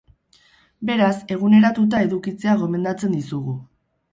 Beraz, eguneratuta edukitzea gomendatzen dizugu.